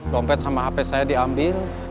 dompet sama hp saya diambil